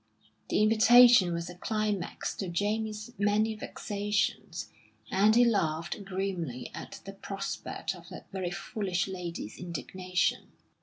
The invitation was a climax to Jamie's many vexations, and he laughed grimly at the prospect of that very foolish lady's indignation.